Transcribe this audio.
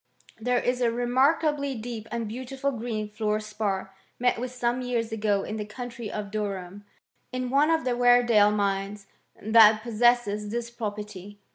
There is a re^ markably deep and beautiful green fluor spar, isM with some years ago in the county of Durham, in oqifc of the Weredale mines that possesses this property.